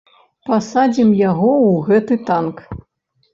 Пасадзім яго ў гэты танк!